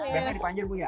biasa dipanjer bu ya